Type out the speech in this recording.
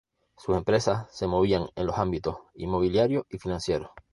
Sus empresas se movían en los ámbitos inmobiliario y financiero.